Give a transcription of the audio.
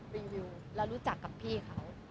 รีวิวแล้วรู้จักกับพี่เขา